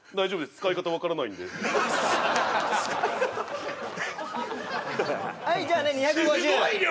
使い方分からないんで使い方はいじゃあね２５０ねっすごい量！